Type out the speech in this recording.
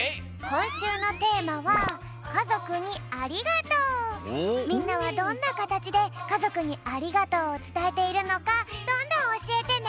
こんしゅうのテーマはみんなはどんなかたちでかぞくにありがとうをつたえているのかどんどんおしえてね！